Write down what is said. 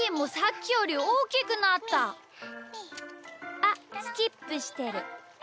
あっスキップしてる。